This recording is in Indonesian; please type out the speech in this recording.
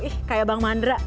ih kayak bang mandra